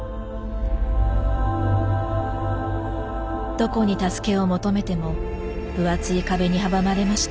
どこに助けを求めても分厚い壁に阻まれました。